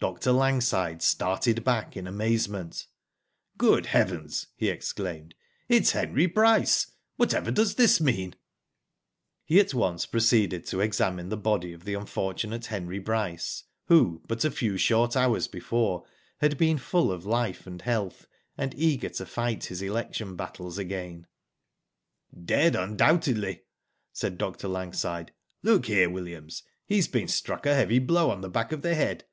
Dr. Langside started back in amazement. *' Good heavens !" he exclaimed. '* It's Henry Bryce. Whatever does this mean ?" He at once proceeded to examine the body of the unfortunate Henry Bryce, who, but a few short hours before, had been full of life and health, and eager to fight his election battles again. '* Dead, undoubtedly," said Dr. Langside. *' Look here, Williams, he's been struck a heavy blow on the back of the head.